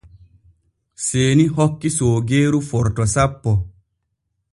Seeni hokki soogeeru forto sappo.